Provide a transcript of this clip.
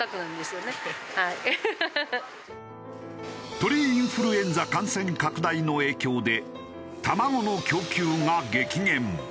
鳥インフルエンザ感染拡大の影響で卵の供給が激減。